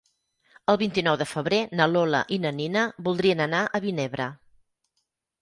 El vint-i-nou de febrer na Lola i na Nina voldrien anar a Vinebre.